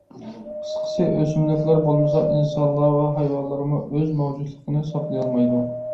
قىسقىسى، ئۆسۈملۈكلەر بولمىسا، ئىنسانلار ۋە ھايۋانلارمۇ ئۆز مەۋجۇتلۇقىنى ساقلىيالمايدۇ.